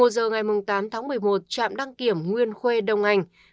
một mươi một giờ ngày tám tháng một mươi một trạm đăng kiểm nguyên khuê đông anh